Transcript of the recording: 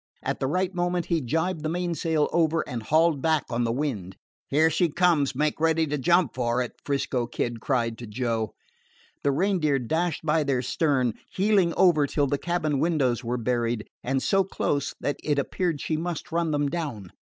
At the right moment he jibed the mainsail over and hauled back on the wind. "Here she comes! Make ready to jump for it," 'Frisco Kid cried to Joe. The Reindeer dashed by their stern, heeling over till the cabin windows were buried, and so close that it appeared she must run them down.